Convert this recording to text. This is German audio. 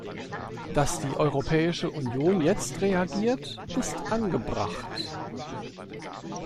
Dass die Europäische Union jetzt reagiert, ist angebracht.